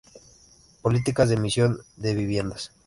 Políticas de emisión de viviendas.